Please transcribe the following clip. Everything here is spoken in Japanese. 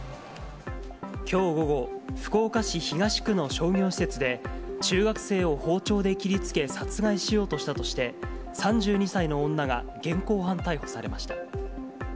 きょう午後、福岡市東区の商業施設で、中学生を包丁で切りつけ、殺害しようとしたとして、３２歳の女が現行犯逮捕されました。